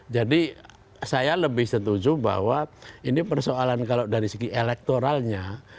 jadi saya lebih setuju bahwa ini persoalan kalau dari segi elektoralnya